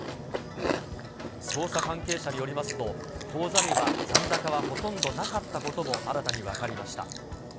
捜査関係者によりますと、口座には残高はほとんどなかったことも新たに分かりました。